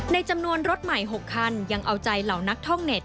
จำนวนรถใหม่๖คันยังเอาใจเหล่านักท่องเน็ต